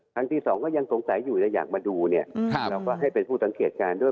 ครั้งที่สองก็ยังสงสัยอยู่แต่อยากมาดูเนี่ยเราก็ให้เป็นผู้สังเกตการณ์ด้วย